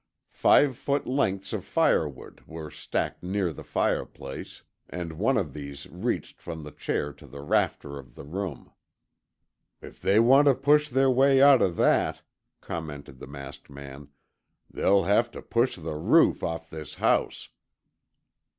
Five foot lengths of firewood were stacked near the fireplace, and one of these reached from the chair to the rafter of the room. "If they want to push their way out of that," commented the masked man, "they'll have to push the roof off this house."